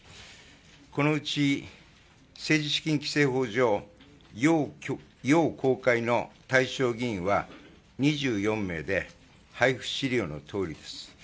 このうち政治資金規正法上、要公開の対象議員は２４名で配付資料のとおりです。